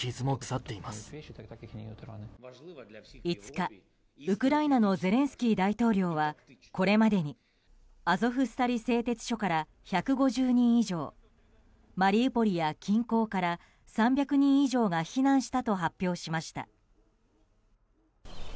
５日、ウクライナのゼレンスキー大統領はこれまでにアゾフスタリ製鉄所から１５０人以上マリウポリや近郊から３００人以上が避難したと発表しました。